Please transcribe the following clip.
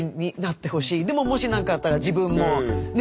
でももしなんかあったら自分もね。